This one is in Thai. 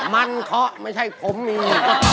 มันเคาะไม่ใช่ผมมี